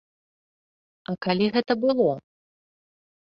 А калі гэта было?